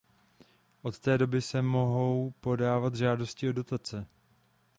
Od této doby se mohou podávat žádosti o dotace.